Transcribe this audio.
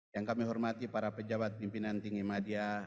yang kami hormati para pejabat pimpinan tinggi media